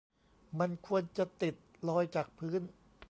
มันควรจะติดลอยจากพื้น